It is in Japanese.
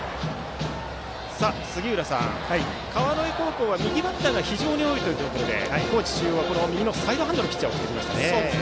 杉浦さん、川之江高校は右バッターが非常に多いということで高知中央はこの右のサイドハンドのピッチャーを送ってきました。